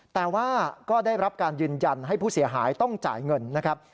แต่ว่าก็ได้รับการยืนยันให้ผู้เสียหายต้องจ่ายเงินนะครับ